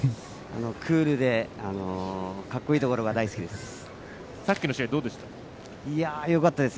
クールで格好いいところが大好きです。